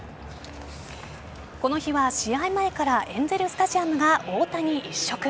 この日は試合前からエンゼルスタジアムが大谷一色。